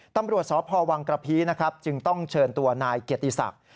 ตำรวจสพวังกระพีนะครับจึงต้องเชิญตัวนายเกียรติศักดิ์